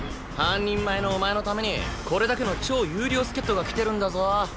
半人前のお前のためにこれだけの超優良助っ人が来てるんだぞ？